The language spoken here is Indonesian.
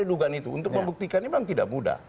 untuk membuktikan memang tidak mudah